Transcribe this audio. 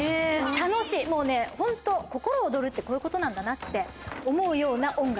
もうねホント心躍るってこういうことなんだなって思うような音楽。